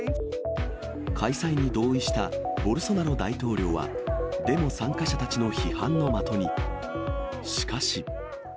開催に同意したボルソナロ大統領は、デモ参加者たちの批判の的に、しかし。